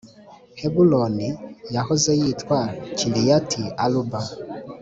(heburoni yahoze yitwa kiriyati-aruba